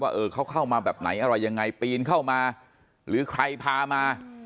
เออเขาเข้ามาแบบไหนอะไรยังไงปีนเข้ามาหรือใครพามา